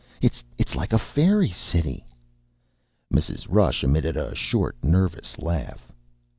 "It's like a fairy city." Mrs. Rush emitted a short, nervous laugh.